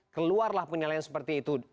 keluarlah penilaian seperti itu